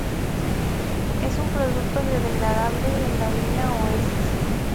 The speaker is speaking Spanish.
Es un producto biodegradable en la orina o heces.